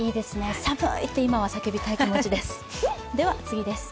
寒いって今は叫びたい気持ちです。